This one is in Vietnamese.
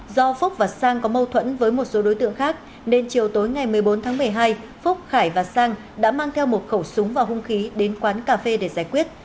do phúc và sang có mâu thuẫn với một số đối tượng khác nên chiều tối ngày một mươi bốn tháng một mươi hai phúc khải và sang đã mang theo một khẩu súng và hung khí đến quán cà phê để giải quyết